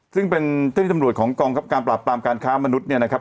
ซึ่งเป็นเจ้าที่ตำรวจของกองครับการปราบปรามการค้ามนุษย์เนี่ยนะครับ